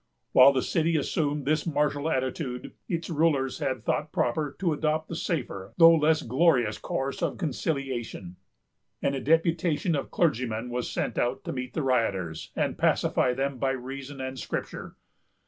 While the city assumed this martial attitude, its rulers thought proper to adopt the safer though less glorious course of conciliation; and a deputation of clergymen was sent out to meet the rioters, and pacify them by reason and Scripture.